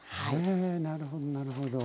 へえなるほどなるほど。